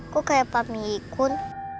kok kayak pak miun ikut